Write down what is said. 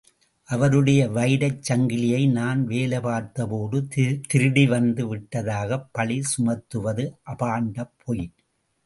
அவருடைய வைரச் சங்கிலியை நான் வேலை பார்த்தபோதே திருடி வந்து விட்டதாகப் பழி சுமத்துவது அபாண்டப் பொய்.